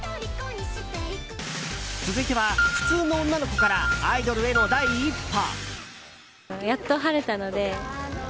続いては、普通の女の子からアイドルへの第一歩。